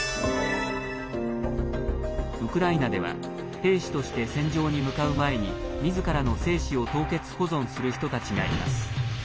ウクライナでは兵士として戦場に向かう前にみずからの精子を凍結保存する人たちがいます。